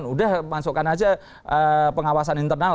sudah masukkan saja pengawasan internal